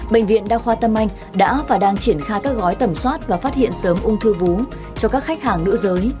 bệnh viện đa khoa tâm anh đã và đang triển khai các gói tẩm soát và phát hiện sớm ung thư vú cho các khách hàng nữ giới